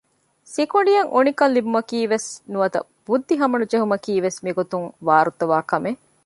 ސިކުނޑިޔަށް އުނިކަން ލިބުމަކީވެސް ނުވަތަ ބުއްދިހަމަނުޖެހުމަކީވެސް މިގޮތުން ވާރުތަވާކަމެއް